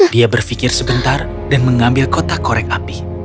dia berpikir sebentar dan mengambil kotak korek api